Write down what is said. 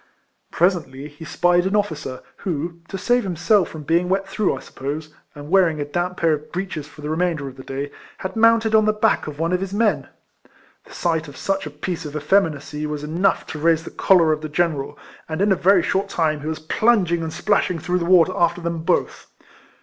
Presently he spied an officer who, to save himself from being wet through, I suppose, and wearing a damp pair of breeches for the remainder of the day, had mounted on the back of one of his men. The sight of such a piece of effeminacy was enough to raise the choler of the general, and 206 RECOLLECTIONS OF in a very short time he was plunging and splashing through the water after them both.